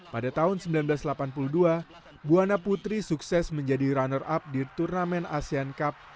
pada tahun seribu sembilan ratus delapan puluh dua buwana putri sukses menjadi runner up di turnamen asean cup